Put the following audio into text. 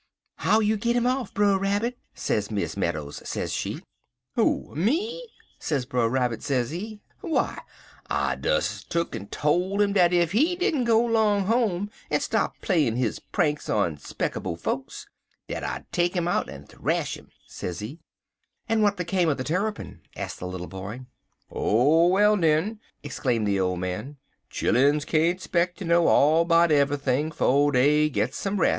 "'How you git 'im off, Brer Rabbit?' sez Miss Meadows, sez she. "'Who? me?' sez Brer Rabbit, sezee; 'w'y I des tuck en tole 'im dat ef he didn't go 'long home en stop playin' his pranks on spectubble fokes, dat I'd take 'im out and th'ash 'im,' sezee." "And what became of the Terrapin?" asked the little boy. "Oh, well den!" exclaimed the old man, "chilluns can't speck ter know all 'bout eve'ything 'fo' dey git some res'.